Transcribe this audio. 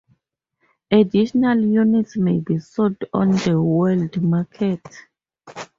Additional units may be sold on the world market.